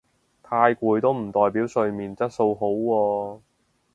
太攰都唔代表睡眠質素好喎